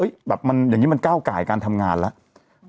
แบบมันอย่างนี้มันก้าวไก่การทำงานแล้ว